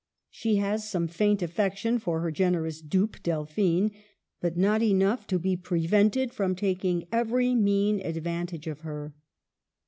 She has some faint affection for her generous dupe — Delphine; but not enough to be prevented from taking every mean advantage of her.